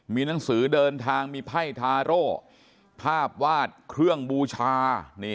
มีหนังสือเดินทางมีไพ่ทาโร่ภาพวาดเครื่องบูชา